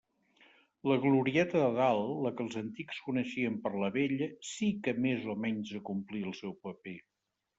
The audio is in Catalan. La glorieta de dalt, la que els antics coneixien per la Vella, sí que més o menys acomplí el seu paper.